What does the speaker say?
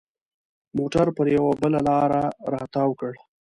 موټر پر یوه بله لاره را تاو کړ.